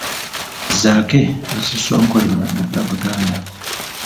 Zaake ne Kisosonkole mannya ga Baganda.